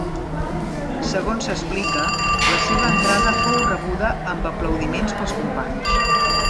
Segons s'explica, la seva entrada fou rebuda amb aplaudiments pels companys.